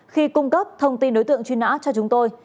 khi cung cấp thông tin đối tượng truy nã cho chúng tôi